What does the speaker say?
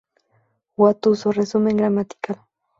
Guatuso: Resumen gramatical